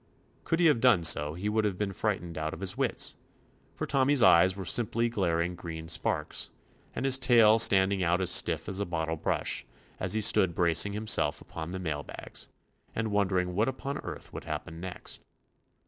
Could he have done so he would have been frightened out out of his wits, for Tommy's eyes were simply glaring green sparks, and his tail standing out as stiff as a bottle brush, as he stood bracing himself upon the mail bags, and wondering what upon earth would happen next.